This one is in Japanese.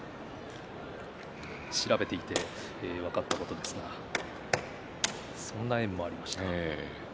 調べていて分かったことですがそんな縁もありました。